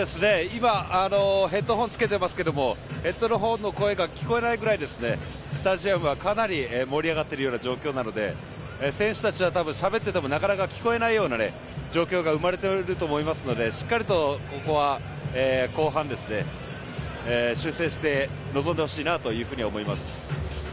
今、ヘッドホンをつけていますがヘッドホンの声が聞こえないくらい、スタジアムはかなり盛り上がっている状況で選手たちは多分しゃべっていても聞こえないような状況が生まれていると思いますのでしっかりとここは後半修正して臨んでほしいなと思います。